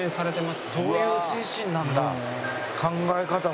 そういう精神なんだ。